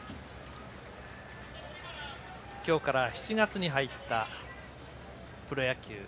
今日から７月に入ったプロ野球。